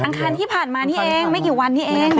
คารที่ผ่านมานี่เองไม่กี่วันนี้เอง